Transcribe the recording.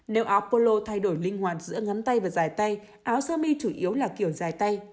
nếu áo polo thay đổi linh hoạt giữa ngắm tay và dài tay áo sơ mi chủ yếu là kiểu dài tay